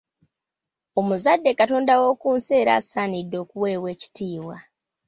Omuzadde Katonda w’oku nsi era asaanidde okuweebwa ekitiibwa.